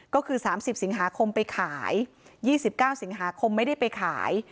ก็คือสามสิบสิงหาคมไปขายยี่สิบเก้าสิงหาคมไม่ได้ไปขาย